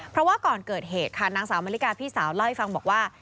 เพราะว่าก่อนเกิดเหตุค่ะนางสาวมริกาพี่สาวเล่าให้ฟังบอกว่า